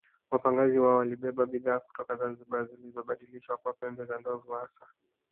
Wapagazi wao walibeba bidhaa kutoka Zanzibar zilizobadilishwa kwa pembe za ndovu hasa